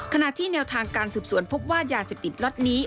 ขณะที่แนวทางการสืบสวนพบว่ายาเสพติดล็อตนี้